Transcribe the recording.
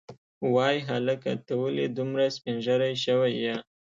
وای هلکه ته ولې دومره سپینږیری شوی یې.